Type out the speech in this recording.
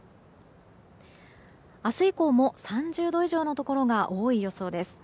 明日以降も３０度以上のところが多い予想です。